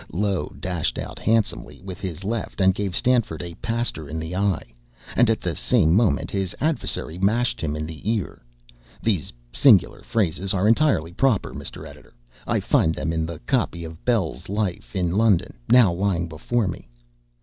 Low dashed out handsomely with his left and gave Stanford a paster in the eye, and at the same moment his adversary mashed him in the ear. (These singular phrases are entirely proper, Mr. Editor I find them in the copy of "Bell's Life in London" now lying before me.)